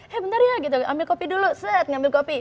hentar ya gitu ambil kopi dulu set ngambil kopi